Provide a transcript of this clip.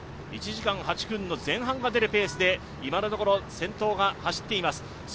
１時間８分の前半が出るペースで今のところ、先頭が走っています。